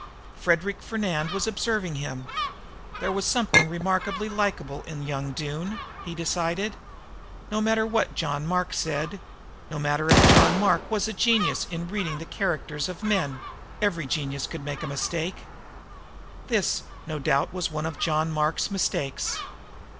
Frederic Fernand was observing him. There was something remarkably likable in young Doone, he decided. No matter what John Mark had said no matter if John Mark was a genius in reading the characters of men every genius could make mistakes. This, no doubt, was one of John Mark's mistakes.